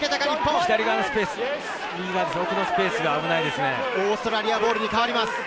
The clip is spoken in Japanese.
奥側のスペースが危ないですね。